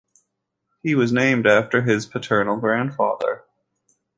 He was named after his paternal grandfather.